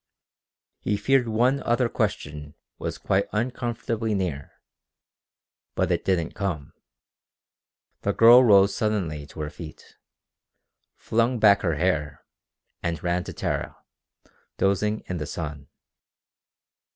He feared one other question was quite uncomfortably near. But it didn't come. The girl rose suddenly to her feet, flung back her hair, and ran to Tara, dozing in the sun.